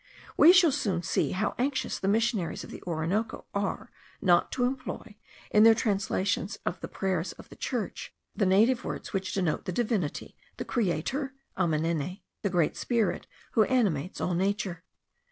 We shall soon see how anxious the missionaries of the Orinoco are not to employ, in their translations of the prayers of the church, the native words which denote the Divinity, the Creator (Amanene), the Great Spirit who animates all nature.